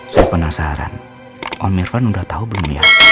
saya penasaran om irfan udah tahu belum ya